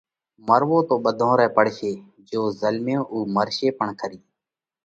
مروو تو ٻڌون رئہ پڙشي، جيو زلميو اُو مرشي پڻ کرِي۔